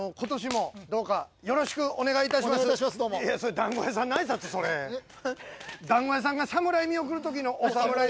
団子屋さんが侍見送る時の。